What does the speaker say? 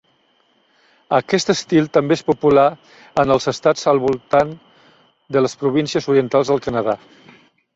Aquest estil també és popular en els estats al voltant de les províncies orientals del Canadà.